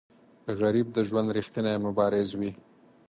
غریب د ژوند ریښتینی مبارز وي